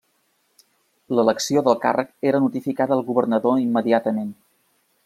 L'elecció del càrrec era notificada al governador immediatament.